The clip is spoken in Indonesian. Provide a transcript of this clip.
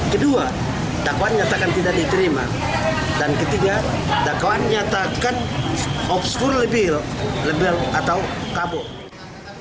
kedua dakwa nyatakan tidak diterima dan ketiga dakwa nyatakan obskur lebih atau kabur